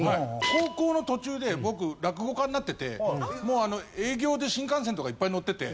高校の途中で僕落語家になっててもう営業で新幹線とかいっぱい乗ってて。